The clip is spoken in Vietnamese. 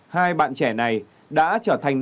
hai bạn trẻ này đã trở thành